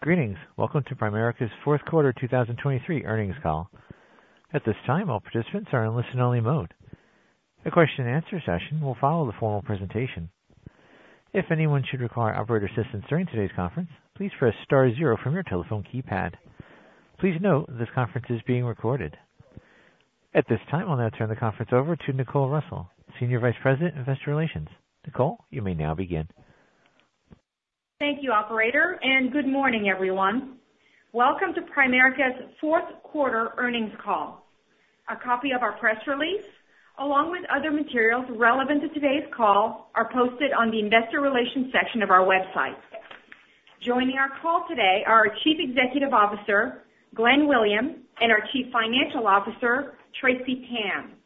Greetings. Welcome to Primerica's Fourth Quarter 2023 Earnings Call. At this time, all participants are in listen-only mode. A question-and-answer session will follow the formal presentation. If anyone should require operator assistance during today's conference, please press star zero from your telephone keypad. Please note this conference is being recorded. At this time, I'll now turn the conference over to Nicole Russell, Senior Vice President, Investor Relations. Nicole, you may now begin. Thank you, Operator, and good morning, everyone. Welcome to Primerica's fourth quarter earnings call. A copy of our press release, along with other materials relevant to today's call, are posted on the Investor Relations section of our website. Joining our call today are our Chief Executive Officer, Glenn Williams, and our Chief Financial Officer, Tracy Tan.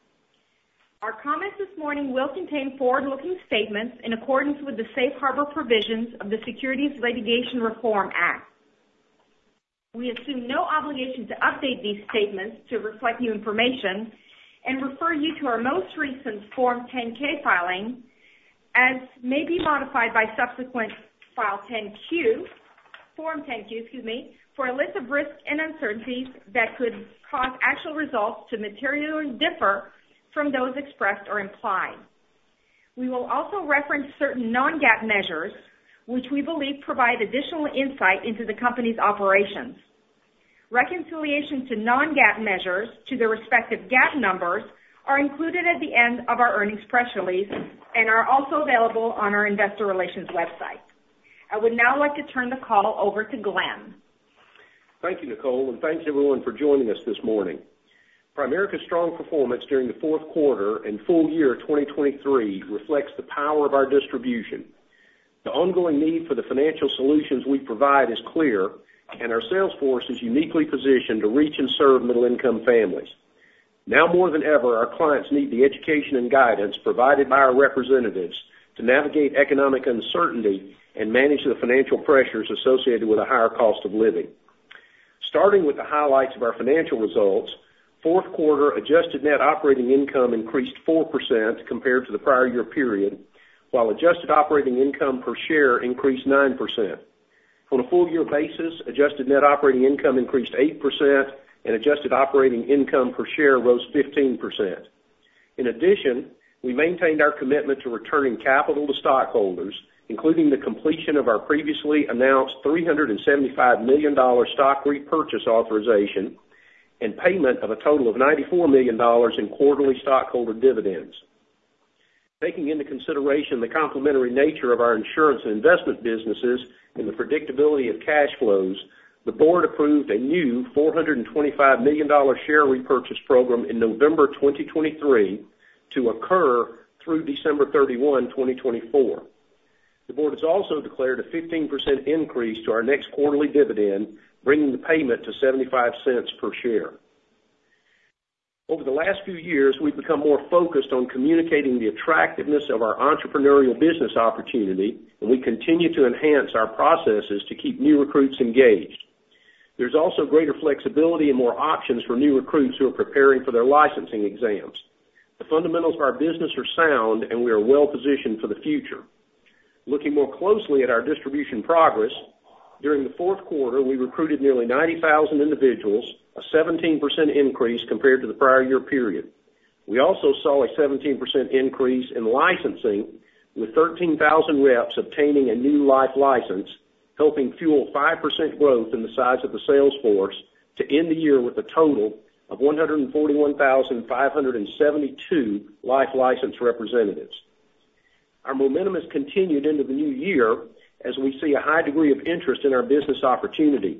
Our comments this morning will contain forward-looking statements in accordance with the Safe Harbor provisions of the Securities Litigation Reform Act. We assume no obligation to update these statements to reflect new information and refer you to our most recent Form 10-K filing, as may be modified by subsequent File 10-Q, Form 10-Q, excuse me, for a list of risks and uncertainties that could cause actual results to materially differ from those expressed or implied. We will also reference certain non-GAAP measures, which we believe provide additional insight into the company's operations. Reconciliation to Non-GAAP measures to their respective GAAP numbers are included at the end of our earnings press release and are also available on our Investor Relations website. I would now like to turn the call over to Glenn. Thank you, Nicole, and thanks everyone for joining us this morning. Primerica's strong performance during the fourth quarter and full-year 2023 reflects the power of our distribution. The ongoing need for the financial solutions we provide is clear, and our sales force is uniquely positioned to reach and serve middle-income families. Now more than ever, our clients need the education and guidance provided by our representatives to navigate economic uncertainty and manage the financial pressures associated with a higher cost of living. Starting with the highlights of our financial results, fourth quarter adjusted net operating income increased 4% compared to the prior year period, while adjusted operating income per share increased 9%. On a full-year basis, adjusted net operating income increased 8%, and adjusted operating income per share rose 15%. In addition, we maintained our commitment to returning capital to stockholders, including the completion of our previously announced $375 million stock repurchase authorization and payment of a total of $94 million in quarterly stockholder dividends. Taking into consideration the complementary nature of our insurance and investment businesses and the predictability of cash flows, the board approved a new $425 million share repurchase program in November 2023 to occur through December 31, 2024. The board has also declared a 15% increase to our next quarterly dividend, bringing the payment to $0.75 per share. Over the last few years, we've become more focused on communicating the attractiveness of our entrepreneurial business opportunity, and we continue to enhance our processes to keep new recruits engaged. There's also greater flexibility and more options for new recruits who are preparing for their licensing exams. The fundamentals of our business are sound, and we are well-positioned for the future. Looking more closely at our distribution progress, during the fourth quarter, we recruited nearly 90,000 individuals, a 17% increase compared to the prior year period. We also saw a 17% increase in licensing, with 13,000 reps obtaining a new life license, helping fuel 5% growth in the size of the sales force to end the year with a total of 141,572 life license representatives. Our momentum has continued into the new year as we see a high degree of interest in our business opportunity.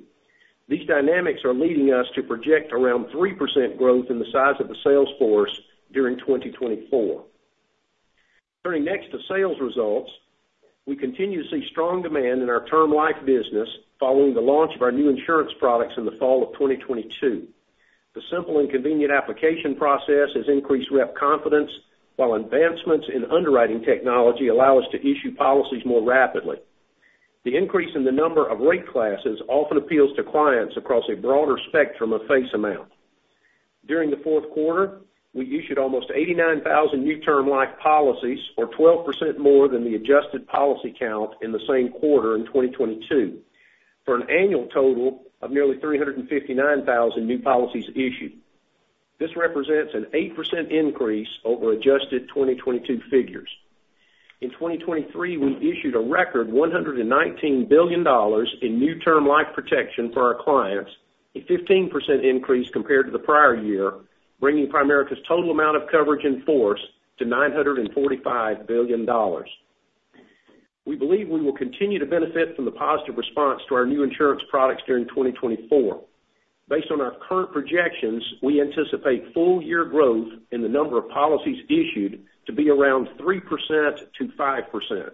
These dynamics are leading us to project around 3% growth in the size of the sales force during 2024. Turning next to sales results, we continue to see strong demand in our term life business following the launch of our new insurance products in the fall of 2022. The simple and convenient application process has increased rep confidence, while advancements in underwriting technology allow us to issue policies more rapidly. The increase in the number of rate classes often appeals to clients across a broader spectrum of face amount. During the fourth quarter, we issued almost 89,000 new term life policies, or 12% more than the adjusted policy count in the same quarter in 2022, for an annual total of nearly 359,000 new policies issued. This represents an 8% increase over adjusted 2022 figures. In 2023, we issued a record $119 billion in new term life protection for our clients, a 15% increase compared to the prior year, bringing Primerica's total amount of coverage in force to $945 billion. We believe we will continue to benefit from the positive response to our new insurance products during 2024. Based on our current projections, we anticipate full-year growth in the number of policies issued to be around 3%-5%.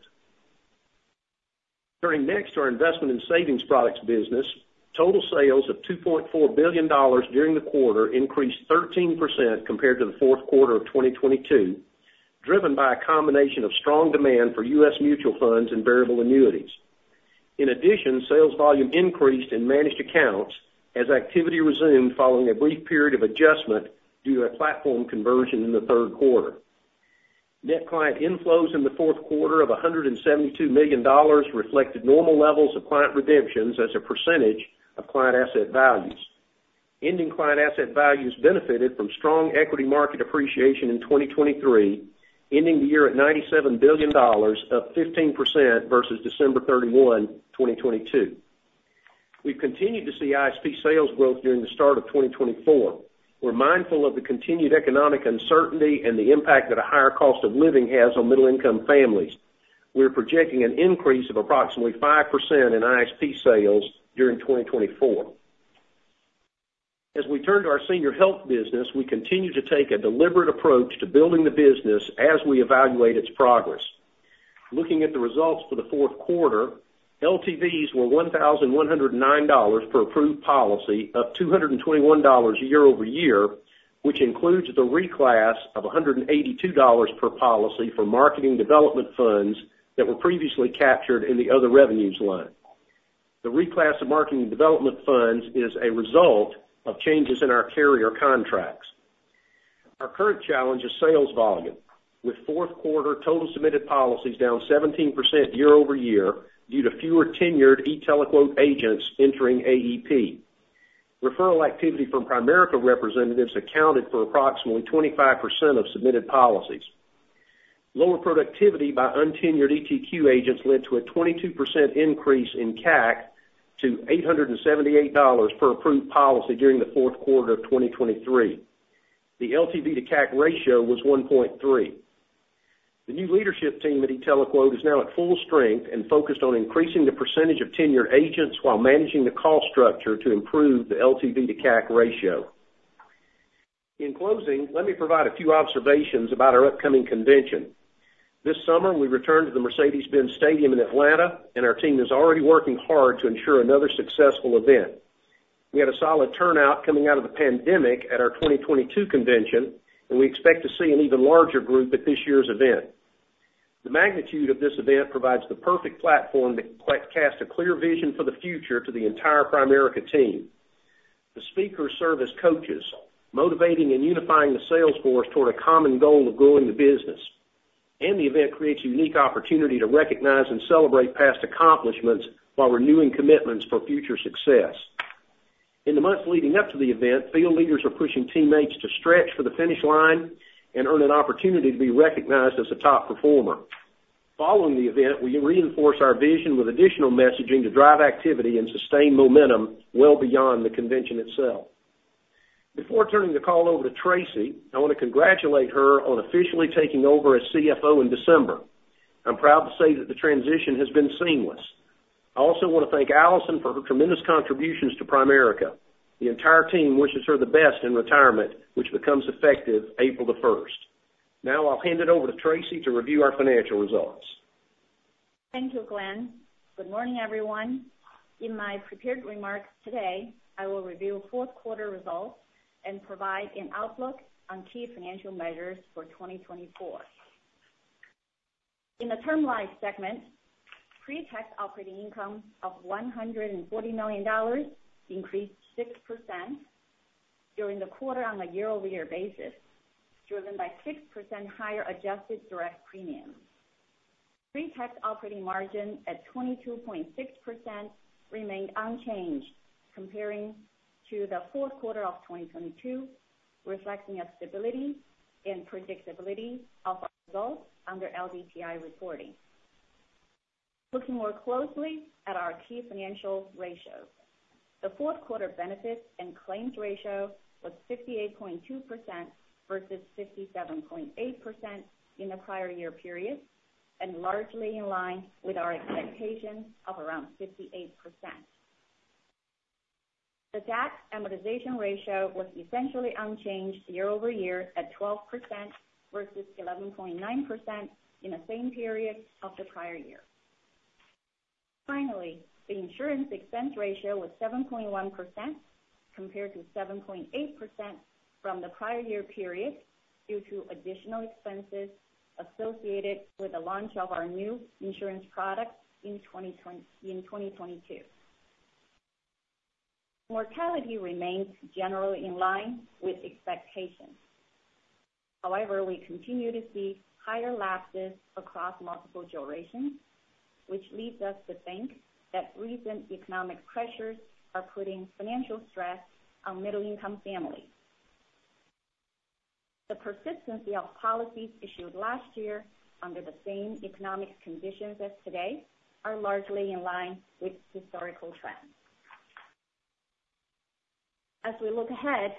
Turning next to our investment and savings products business, total sales of $2.4 billion during the quarter increased 13% compared to the fourth quarter of 2022, driven by a combination of strong demand for U.S. mutual funds and variable annuities. In addition, sales volume increased in managed accounts as activity resumed following a brief period of adjustment due to a platform conversion in the third quarter. Net client inflows in the fourth quarter of $172 million reflected normal levels of client redemptions as a percentage of client asset values. Ending client asset values benefited from strong equity market appreciation in 2023, ending the year at $97 billion, up 15% versus December 31, 2022. We've continued to see ISP sales growth during the start of 2024. We're mindful of the continued economic uncertainty and the impact that a higher cost of living has on middle-income families. We're projecting an increase of approximately 5% in ISP sales during 2024. As we turn to our senior health business, we continue to take a deliberate approach to building the business as we evaluate its progress. Looking at the results for the fourth quarter, LTVs were $1,109 per approved policy, up $221 year-over-year, which includes the reclass of $182 per policy for marketing development funds that were previously captured in the other revenues line. The reclass of marketing development funds is a result of changes in our carrier contracts. Our current challenge is sales volume, with fourth quarter total submitted policies down 17% year-over-year due to fewer tenured agents entering AEP. Referral activity from Primerica representatives accounted for approximately 25% of submitted policies. Lower productivity by untenured ETQ agents led to a 22% increase in CAC to $878 per approved policy during the fourth quarter of 2023. The LTV to CAC ratio was 1.3. The new leadership team at ETQ is now at full strength and focused on increasing the percentage of tenured agents while managing the cost structure to improve the LTV to CAC ratio. In closing, let me provide a few observations about our upcoming convention. This summer, we returned to the Mercedes-Benz Stadium in Atlanta, and our team is already working hard to ensure another successful event. We had a solid turnout coming out of the pandemic at our 2022 convention, and we expect to see an even larger group at this year's event. The magnitude of this event provides the perfect platform to cast a clear vision for the future to the entire Primerica team. The speakers serve as coaches, motivating and unifying the sales force toward a common goal of growing the business, and the event creates a unique opportunity to recognize and celebrate past accomplishments while renewing commitments for future success. In the months leading up to the event, field leaders are pushing teammates to stretch for the finish line and earn an opportunity to be recognized as a top performer. Following the event, we reinforce our vision with additional messaging to drive activity and sustain momentum well beyond the convention itself. Before turning the call over to Tracy, I want to congratulate her on officially taking over as CFO in December. I'm proud to say that the transition has been seamless. I also want to thank Alison for her tremendous contributions to Primerica. The entire team wishes her the best in retirement, which becomes effective April 1st. Now I'll hand it over to Tracy to review our financial results. Thank you, Glenn. Good morning, everyone. In my prepared remarks today, I will review fourth quarter results and provide an outlook on key financial measures for 2024. In the term life segment, pre-tax operating income of $140 million increased 6% during the quarter on a year-over-year basis, driven by 6% higher adjusted direct premium. Pre-tax operating margin at 22.6% remained unchanged comparing to the fourth quarter of 2022, reflecting a stability and predictability of our results under LDTI reporting. Looking more closely at our key financial ratios, the fourth quarter benefits and claims ratio was 58.2% versus 57.8% in the prior year period, and largely in line with our expectation of around 58%. The tax amortization ratio was essentially unchanged year-over-year at 12% versus 11.9% in the same period of the prior year. Finally, the insurance expense ratio was 7.1% compared to 7.8% from the prior year period due to additional expenses associated with the launch of our new insurance product in 2022. Mortality remained generally in line with expectations. However, we continue to see higher lapses across multiple durations, which leads us to think that recent economic pressures are putting financial stress on middle-income families. The persistency of policies issued last year under the same economic conditions as today are largely in line with historical trends. As we look ahead,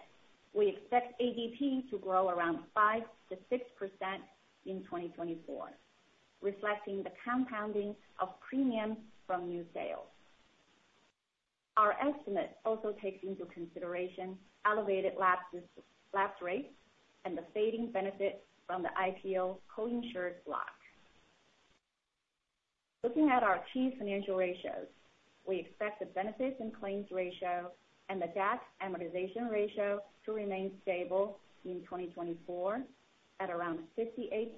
we expect ADP to grow around 5%-6% in 2024, reflecting the compounding of premiums from new sales. Our estimate also takes into consideration elevated lapse rates and the fading benefit from the IPO co-insured block. Looking at our key financial ratios, we expect the benefits and claims ratio and the tax amortization ratio to remain stable in 2024 at around 58%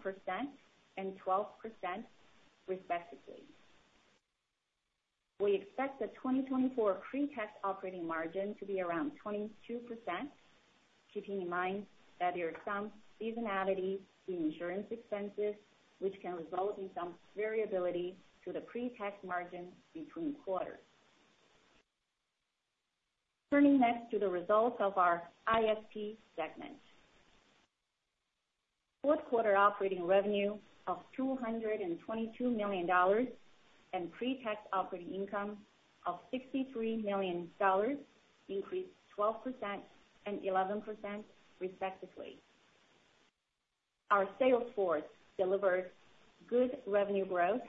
and 12%, respectively. We expect the 2024 pre-tax operating margin to be around 22%, keeping in mind that there are some seasonality in insurance expenses, which can result in some variability to the pre-tax margin between quarters. Turning next to the results of our ISP segment, fourth quarter operating revenue of $222 million and pre-tax operating income of $63 million increased 12% and 11%, respectively. Our sales force delivered good revenue growth,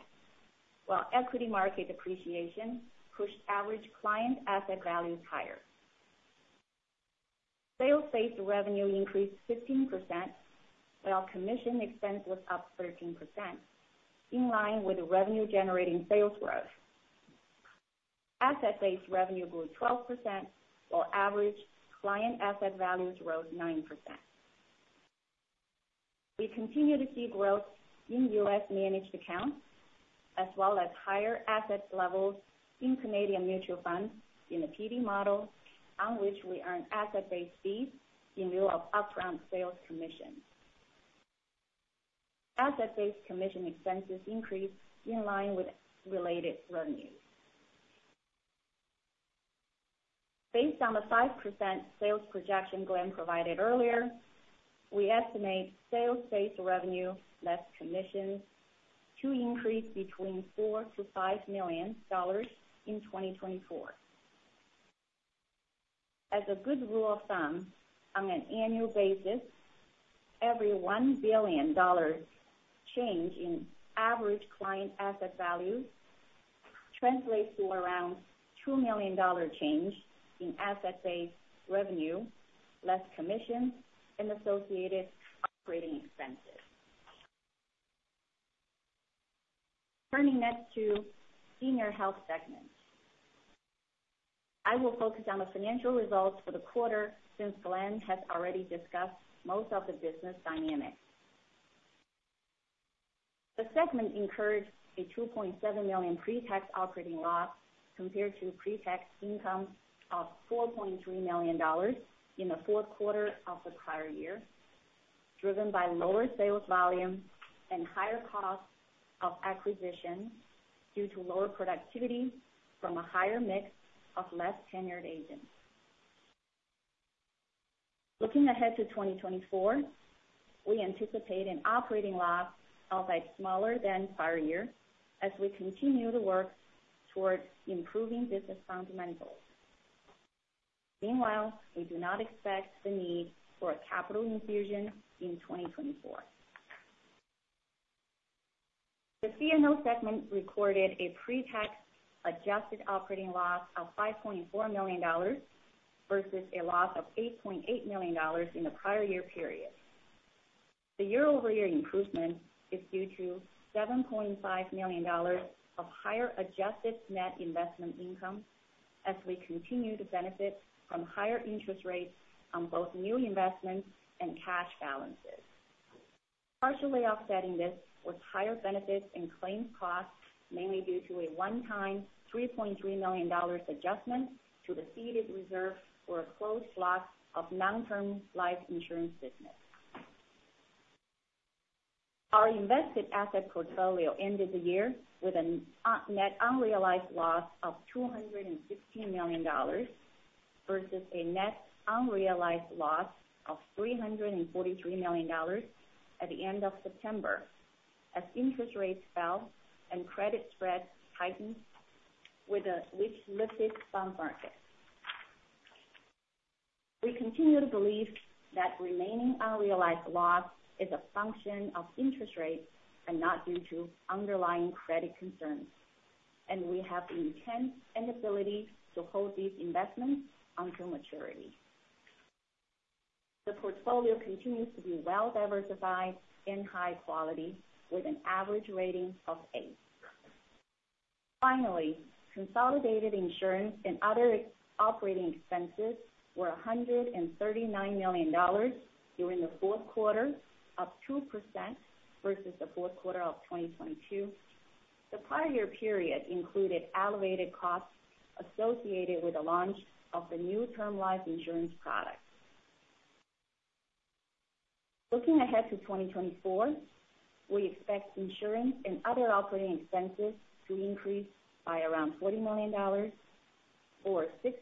while equity market appreciation pushed average client asset values higher. Sales-based revenue increased 15%, while commission expense was up 13%, in line with revenue-generating sales growth. Asset-based revenue grew 12%, while average client asset values rose 9%. We continue to see growth in U.S. Managed accounts as well as higher asset levels in Canadian mutual funds in the PD model, on which we earn asset-based fees in lieu of upfront sales commission. Asset-based commission expenses increased in line with related revenues. Based on the 5% sales projection Glenn provided earlier, we estimate sales-based revenue less commissions to increase between $4-$5 million in 2024. As a good rule of thumb, on an annual basis, every $1 billion change in average client asset values translates to around $2 million change in asset-based revenue less commissions and associated operating expenses. Turning next to senior health segment, I will focus on the financial results for the quarter since Glenn has already discussed most of the business dynamics. The segment incurred a $2.7 million pre-tax operating loss compared to pre-tax income of $4.3 million in the fourth quarter of the prior year, driven by lower sales volume and higher cost of acquisition due to lower productivity from a higher mix of less tenured agents. Looking ahead to 2024, we anticipate an operating loss of a smaller than prior year as we continue to work toward improving business fundamentals. Meanwhile, we do not expect the need for a capital infusion in 2024. The C&O segment recorded a pre-tax adjusted operating loss of $5.4 million versus a loss of $8.8 million in the prior year period. The year-over-year improvement is due to $7.5 million of higher adjusted net investment income as we continue to benefit from higher interest rates on both new investments and cash balances. Partially offsetting this was higher benefits and claims costs, mainly due to a one-time $3.3 million adjustment to the ceded reserve for a closed block of long-term life insurance business. Our invested asset portfolio ended the year with a net unrealized loss of $216 million versus a net unrealized loss of $343 million at the end of September as interest rates fell and credit spreads tightened, which lifted bond markets. We continue to believe that remaining unrealized loss is a function of interest rates and not due to underlying credit concerns, and we have the intent and ability to hold these investments until maturity. The portfolio continues to be well-diversified and high quality, with an average rating of 8. Finally, consolidated insurance and other operating expenses were $139 million during the fourth quarter, up 2% versus the fourth quarter of 2022. The prior year period included elevated costs associated with the launch of the new term life insurance product. Looking ahead to 2024, we expect insurance and other operating expenses to increase by around $40 million, or 6%-8%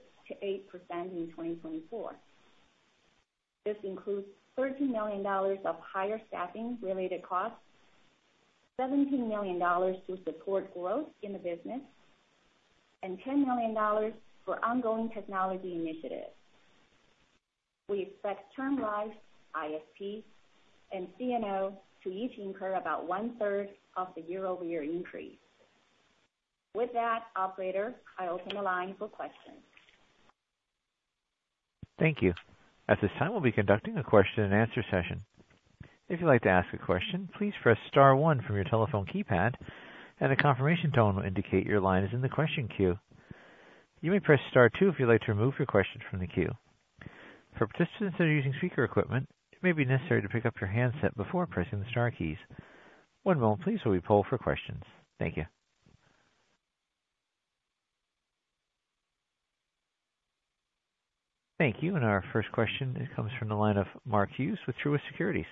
in 2024. This includes $13 million of higher staffing-related costs, $17 million to support growth in the business, and $10 million for ongoing technology initiatives. We expect term life, ISP, and C&O to each incur about one-third of the year-over-year increase. With that, operator, I open the line for questions. Thank you. At this time, we'll be conducting a question-and-answer session. If you'd like to ask a question, please press star 1 from your telephone keypad, and a confirmation tone will indicate your line is in the question queue. You may press star 2 if you'd like to remove your question from the queue. For participants that are using speaker equipment, it may be necessary to pick up your handset before pressing the star keys. One moment, please, while we pull for questions. Thank you. Thank you. Our first question, it comes from the line of Mark Hughes with Truist Securities.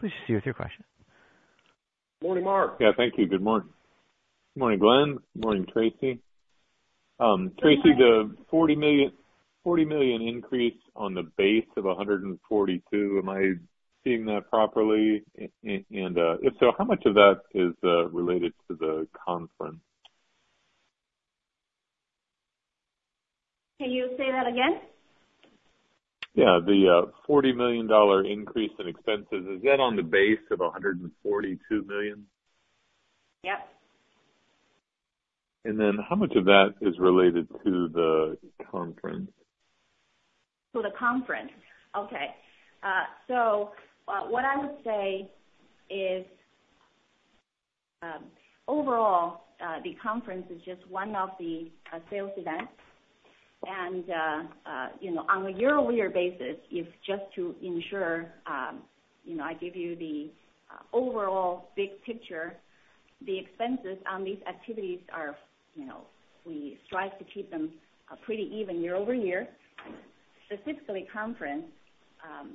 Please proceed with your question. Morning, Mark. Yeah, thank you. Good morning. Morning, Glenn. Morning, Tracy. Tracy, the $40 million increase on the base of 142, am I seeing that properly? And if so, how much of that is related to the conference? Can you say that again? Yeah. The $40 million increase in expenses, is that on the base of $142 million? Yep. Then how much of that is related to the conference? To the conference? Okay. So what I would say is overall, the conference is just one of the sales events. On a year-over-year basis, just to ensure I give you the overall big picture, the expenses on these activities are we strive to keep them pretty even year-over-year. Specifically, conference is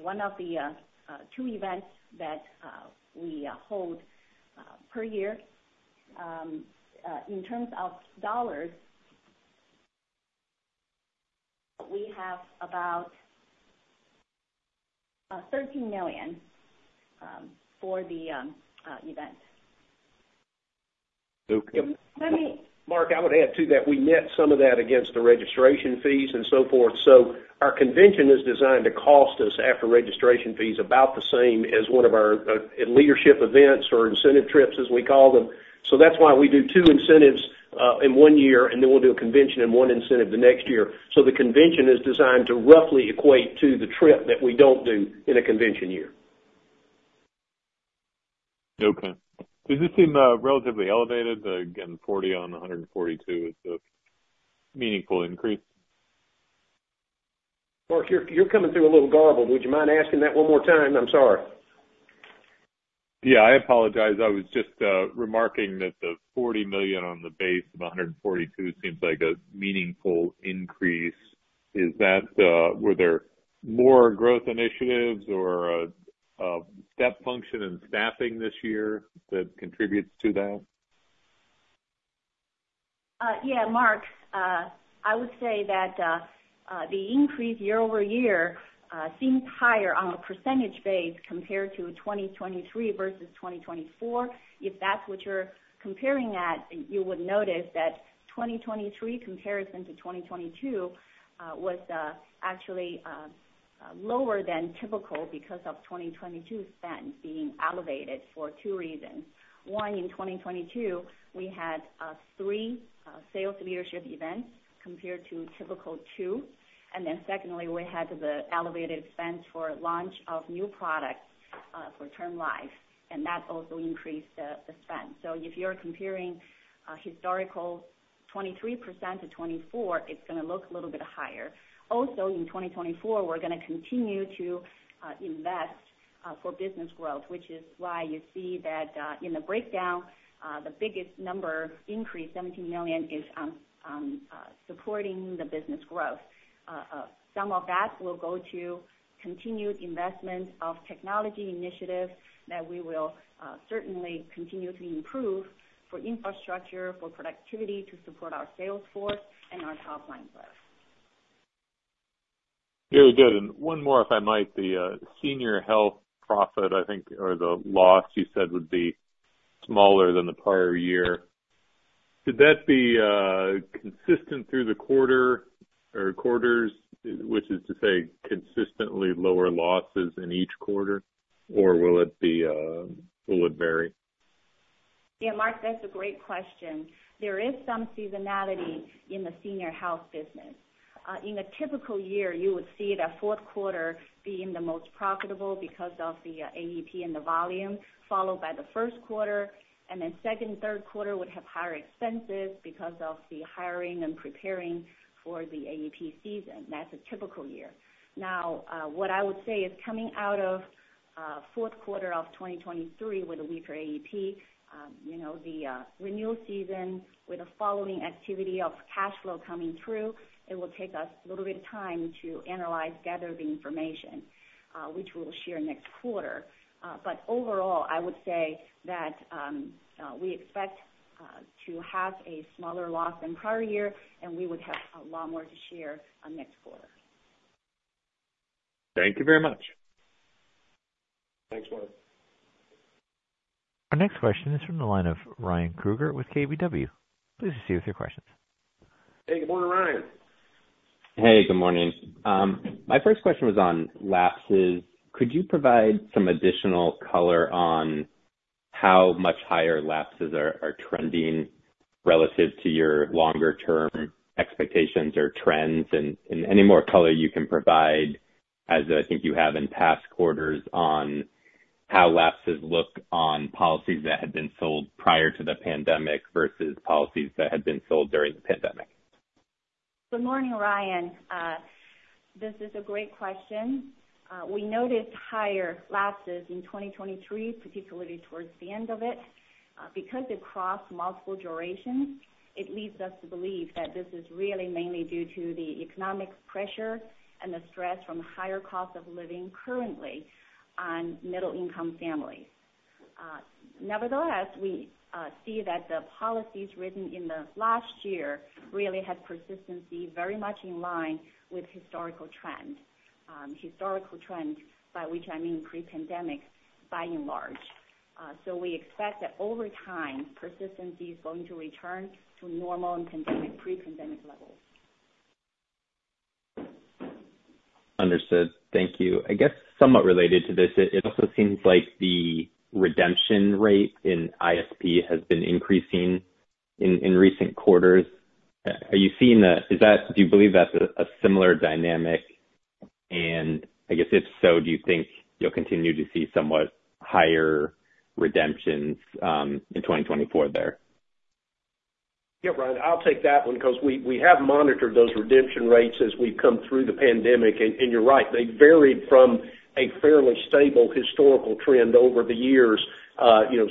one of the two events that we hold per year. In terms of dollars, we have about $13 million for the event. Okay. Mark, I would add to that we net some of that against the registration fees and so forth. So our convention is designed to cost us after registration fees about the same as one of our leadership events or incentive trips, as we call them. So that's why we do two incentives in one year, and then we'll do a convention and one incentive the next year. So the convention is designed to roughly equate to the trip that we don't do in a convention year. Okay. Does this seem relatively elevated? Again, $40 million on $142 million is a meaningful increase. Mark, you're coming through a little garbled. Would you mind asking that one more time? I'm sorry. Yeah, I apologize. I was just remarking that the $40 million on the base of $142 million seems like a meaningful increase. Is that, were there more growth initiatives or a step function in staffing this year that contributes to that? Yeah, Mark, I would say that the increase year-over-year seems higher on a percentage base compared to 2023 versus 2024. If that's what you're comparing at, you would notice that 2023 comparison to 2022 was actually lower than typical because of 2022 spend being elevated for two reasons. One, in 2022, we had 3 sales leadership events compared to typical 2. And then secondly, we had the elevated expense for launch of new products for term life, and that also increased the spend. So if you're comparing historical 23% to 24, it's going to look a little bit higher. Also, in 2024, we're going to continue to invest for business growth, which is why you see that in the breakdown, the biggest number increase, $17 million, is on supporting the business growth. Some of that will go to continued investment of technology initiatives that we will certainly continue to improve for infrastructure, for productivity to support our sales force and our top line growth. Very good. And one more, if I might. The senior health profit, I think, or the loss you said would be smaller than the prior year. Did that be consistent through the quarter or quarters, which is to say consistently lower losses in each quarter, or will it vary? Yeah, Mark, that's a great question. There is some seasonality in the senior health business. In a typical year, you would see the fourth quarter being the most profitable because of the AEP and the volume, followed by the first quarter. Second and third quarter would have higher expenses because of the hiring and preparing for the AEP season. That's a typical year. Now, what I would say is coming out of fourth quarter of 2023 with a weaker AEP, the renewal season with the following activity of cash flow coming through, it will take us a little bit of time to analyze, gather the information, which we'll share next quarter. Overall, I would say that we expect to have a smaller loss than prior year, and we would have a lot more to share next quarter. Thank you very much. Thanks, Mark. Our next question is from the line of Ryan Krueger with KBW. Please proceed with your questions. Hey, good morning, Ryan. Hey, good morning. My first question was on lapses. Could you provide some additional color on how much higher lapses are trending relative to your longer-term expectations or trends and any more color you can provide as I think you have in past quarters on how lapses look on policies that had been sold prior to the pandemic versus policies that had been sold during the pandemic? Good morning, Ryan. This is a great question. We noticed higher lapses in 2023, particularly towards the end of it. Because it crossed multiple durations, it leads us to believe that this is really mainly due to the economic pressure and the stress from higher cost of living currently on middle-income families. Nevertheless, we see that the policies written in the last year really had persistency very much in line with historical trend. Historical trend, by which I mean pre-pandemic, by and large. So we expect that over time, persistency is going to return to normal and pre-pandemic levels. Understood. Thank you. I guess somewhat related to this, it also seems like the redemption rate in ISP has been increasing in recent quarters. Are you seeing that? Do you believe that's a similar dynamic? And I guess if so, do you think you'll continue to see somewhat higher redemptions in 2024 there? Yeah, Ryan, I'll take that one because we have monitored those redemption rates as we've come through the pandemic. And you're right. They varied from a fairly stable historical trend over the years.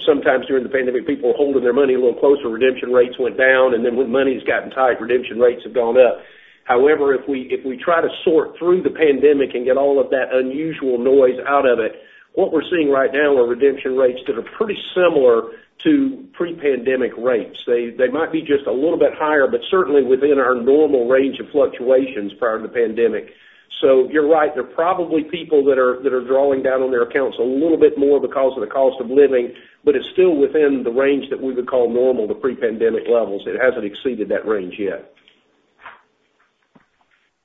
Sometimes during the pandemic, people were holding their money a little closer. Redemption rates went down, and then when money's gotten tight, redemption rates have gone up. However, if we try to sort through the pandemic and get all of that unusual noise out of it, what we're seeing right now are redemption rates that are pretty similar to pre-pandemic rates. They might be just a little bit higher, but certainly within our normal range of fluctuations prior to the pandemic. So you're right. There are probably people that are drawing down on their accounts a little bit more because of the cost of living, but it's still within the range that we would call normal, the pre-pandemic levels. It hasn't exceeded that range yet.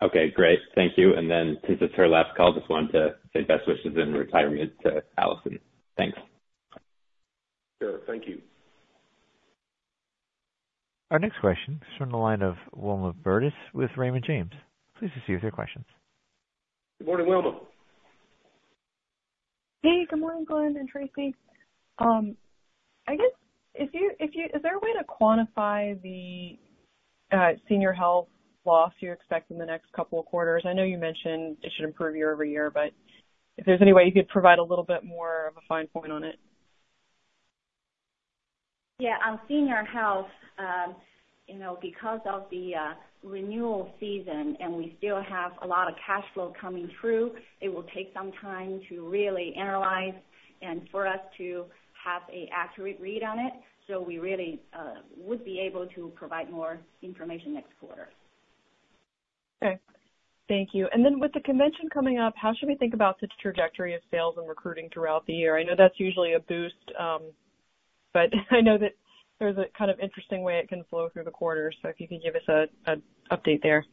Okay. Great. Thank you. And then since it's her last call, I just wanted to say best wishes in retirement to Alison. Thanks. Sure. Thank you. Our next question is from the line of Wilma Burdis with Raymond James. Please proceed with your questions. Good morning, Wilma. Hey. Good morning, Glenn and Tracy. I guess is there a way to quantify the senior health loss you expect in the next couple of quarters? I know you mentioned it should improve year-over-year, but if there's any way you could provide a little bit more of a fine point on it. Yeah. On senior health, because of the renewal season and we still have a lot of cash flow coming through, it will take some time to really analyze and for us to have an accurate read on it. So we really would be able to provide more information next quarter. Okay. Thank you. And then with the convention coming up, how should we think about the trajectory of sales and recruiting throughout the year? I know that's usually a boost, but I know that there's a kind of interesting way it can flow through the quarters. So if you could give us an update there.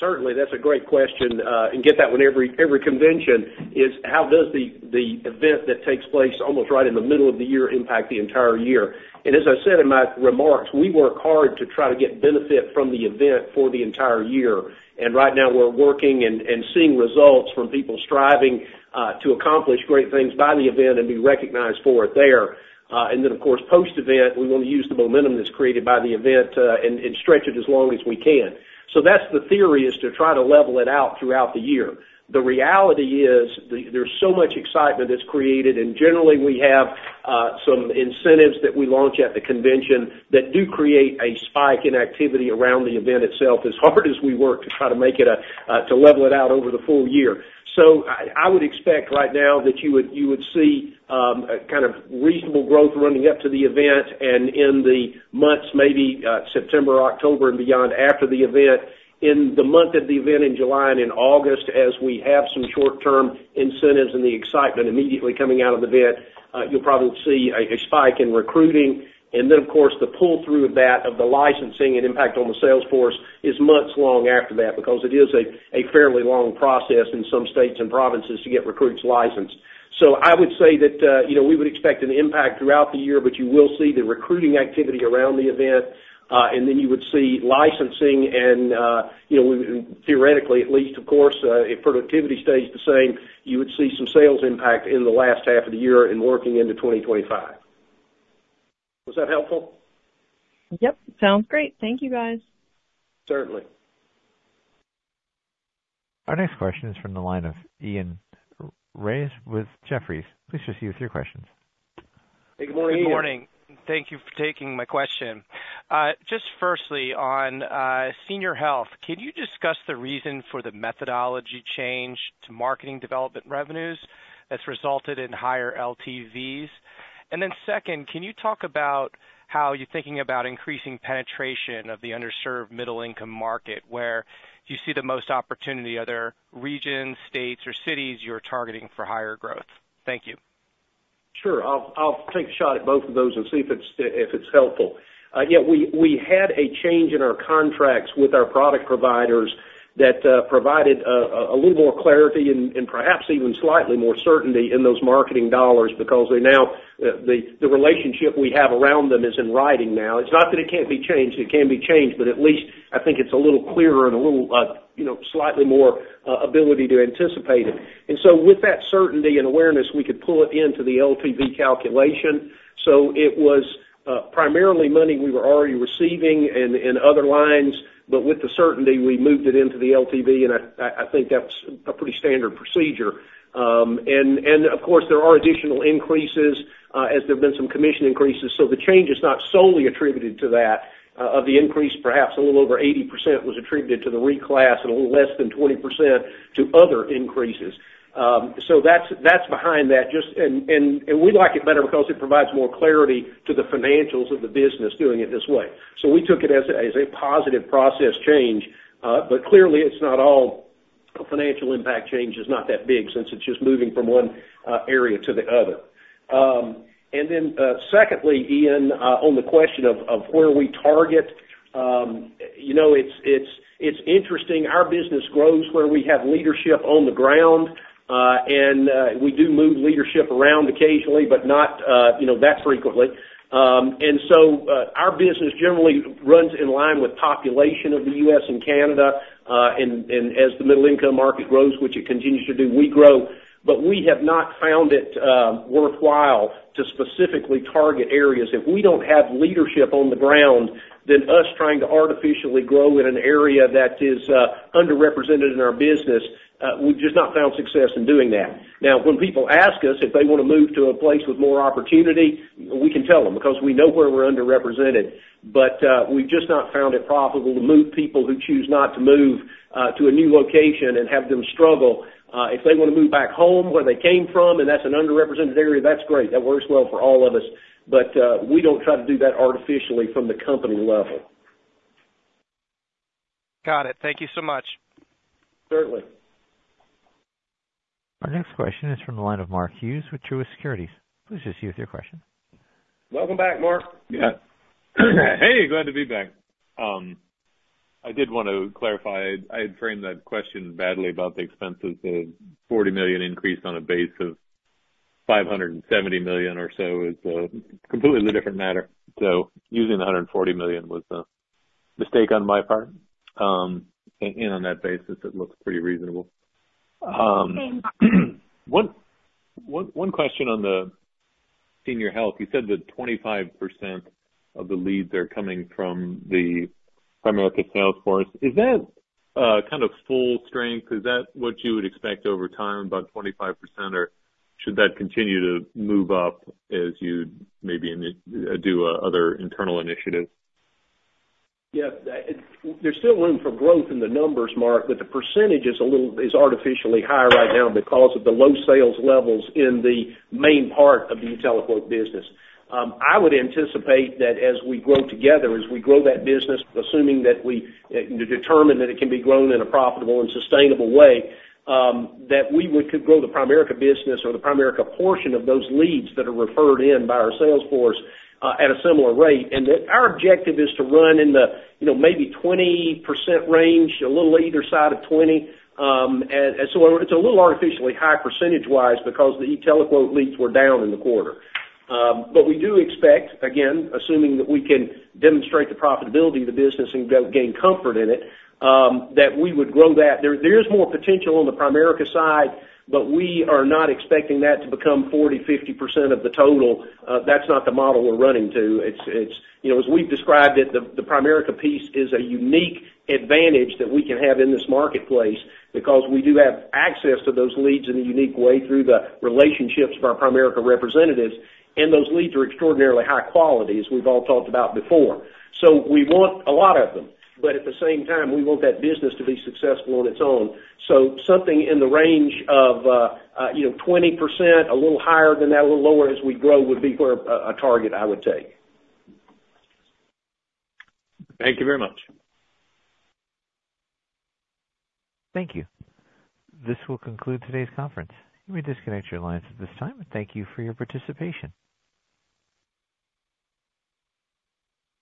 Certainly. That's a great question. And I get that when every convention is: how does the event that takes place almost right in the middle of the year impact the entire year? And as I said in my remarks, we work hard to try to get benefit from the event for the entire year. And right now, we're working and seeing results from people striving to accomplish great things by the event and be recognized for it there. And then, of course, post-event, we want to use the momentum that's created by the event and stretch it as long as we can. So that's the theory, is to try to level it out throughout the year. The reality is there's so much excitement that's created. Generally, we have some incentives that we launch at the convention that do create a spike in activity around the event itself as hard as we work to try to make it to level it out over the full-year. So I would expect right now that you would see kind of reasonable growth running up to the event and in the months, maybe September, October, and beyond after the event. In the month of the event, in July and in August, as we have some short-term incentives and the excitement immediately coming out of the event, you'll probably see a spike in recruiting. Then, of course, the pull-through of that, of the licensing and impact on the sales force, is months long after that because it is a fairly long process in some states and provinces to get recruits licensed. I would say that we would expect an impact throughout the year, but you will see the recruiting activity around the event. Then you would see licensing. Theoretically, at least, of course, if productivity stays the same, you would see some sales impact in the last half of the year and working into 2025. Was that helpful? Yep. Sounds great. Thank you, guys. Certainly. Our next question is from the line of Ian Reyes with Jefferies. Please proceed with your questions. Hey, good morning, Ian. Good morning. Thank you for taking my question. Just firstly, on senior health, can you discuss the reason for the methodology change to marketing development revenues that's resulted in higher LTVs? And then second, can you talk about how you're thinking about increasing penetration of the underserved middle-income market where you see the most opportunity, other regions, states, or cities you're targeting for higher growth? Thank you. Sure. I'll take a shot at both of those and see if it's helpful. Yeah, we had a change in our contracts with our product providers that provided a little more clarity and perhaps even slightly more certainty in those marketing dollars because the relationship we have around them is in writing now. It's not that it can't be changed. It can be changed, but at least I think it's a little clearer and a little slightly more ability to anticipate it. And so with that certainty and awareness, we could pull it into the LTV calculation. So it was primarily money we were already receiving and other lines, but with the certainty, we moved it into the LTV. And I think that's a pretty standard procedure. And of course, there are additional increases as there have been some commission increases. So the change is not solely attributed to that of the increase. Perhaps a little over 80% was attributed to the reclass and a little less than 20% to other increases. So that's behind that. And we like it better because it provides more clarity to the financials of the business doing it this way. So we took it as a positive process change. But clearly, it's not all financial impact. Change is not that big since it's just moving from one area to the other. And then secondly, Ian, on the question of where we target, it's interesting. Our business grows where we have leadership on the ground. And we do move leadership around occasionally, but not that frequently. And so our business generally runs in line with population of the U.S. and Canada. And as the middle-income market grows, which it continues to do, we grow. But we have not found it worthwhile to specifically target areas. If we don't have leadership on the ground, then us trying to artificially grow in an area that is underrepresented in our business, we've just not found success in doing that. Now, when people ask us if they want to move to a place with more opportunity, we can tell them because we know where we're underrepresented. But we've just not found it profitable to move people who choose not to move to a new location and have them struggle. If they want to move back home where they came from and that's an underrepresented area, that's great. That works well for all of us. But we don't try to do that artificially from the company level. Got it. Thank you so much. Certainly. Our next question is from the line of Mark Hughes with Truist Securities. Please proceed with your question. Welcome back, Mark. Yeah. Hey, glad to be back. I did want to clarify. I had framed that question badly about the expenses. The $40 million increase on a base of $570 million or so is a completely different matter. So using the $140 million was a mistake on my part. And on that basis, it looks pretty reasonable. One question on the senior health. You said that 25% of the leads are coming from the primary sales force. Is that kind of full strength? Is that what you would expect over time, about 25%? Or should that continue to move up as you maybe do other internal initiatives? Yes. There's still room for growth in the numbers, Mark, but the percentage is artificially high right now because of the low sales levels in the main part of the utility business. I would anticipate that as we grow together, as we grow that business, assuming that we determine that it can be grown in a profitable and sustainable way, that we would grow the primary business or the primary portion of those leads that are referred in by our sales force at a similar rate. Our objective is to run in the maybe 20% range, a little either side of 20. It's a little artificially high percentage-wise because the utility leads were down in the quarter. We do expect, again, assuming that we can demonstrate the profitability of the business and gain comfort in it, that we would grow that. There is more potential on the primary side, but we are not expecting that to become 40%-50% of the total. That's not the model we're running to. As we've described it, the primary piece is a unique advantage that we can have in this marketplace because we do have access to those leads in a unique way through the relationships of our primary representatives. And those leads are extraordinarily high quality, as we've all talked about before. So we want a lot of them. But at the same time, we want that business to be successful on its own. So something in the range of 20%, a little higher than that, a little lower as we grow would be a target, I would take. Thank you very much. Thank you. This will conclude today's conference. You may disconnect your lines at this time. Thank you for your participation.